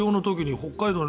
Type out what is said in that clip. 北海道